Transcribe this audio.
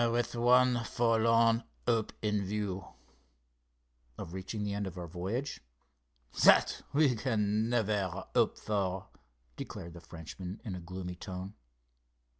"With one forlorn hope in view." "Of reaching the end of our voyage?" "That we can never hope for," declared the Frenchman, in a gloomy tone.